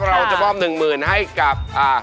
เราจะมอบหนึ่งหมื่นให้กับ